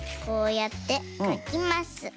こうやってかきます。